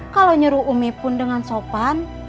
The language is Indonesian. kalau nyuruh umi pun dengan sopan